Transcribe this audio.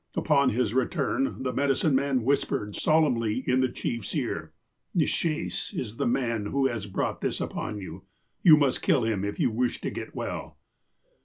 Upon his return, the medicine man whispered solemnly in the chief's ear :"' Nishaes is the man who has brought this upon you. You must kill him if you wish to get well.'